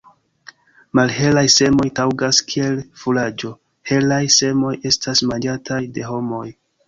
Malhelaj semoj taŭgas kiel furaĝo, helaj semoj estas manĝataj de homoj.